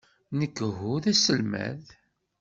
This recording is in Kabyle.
Nec uhu d aselmad.